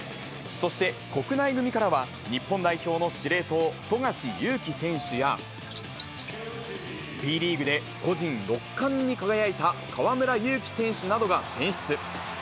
そして国内組からは、日本代表の司令塔、富樫勇樹選手や、Ｂリーグで個人６冠に輝いた河村勇輝選手などが選出。